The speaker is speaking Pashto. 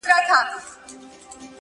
زما گلاب ـگلاب دلبره نور به نه درځمه ـ